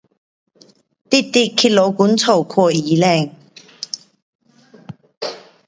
直直去医生家看医生